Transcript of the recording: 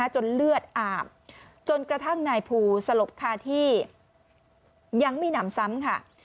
จนเลือดอาบจนกระทั่งนายภูสลบคาที่ยังไม่หนำซ้ำค่ะ